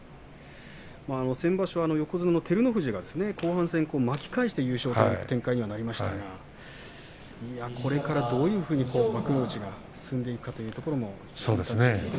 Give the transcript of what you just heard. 先場所は横綱の照ノ富士が後半戦、巻き返して優勝となりましたがこれからどういうふうに幕内が進んでいくか。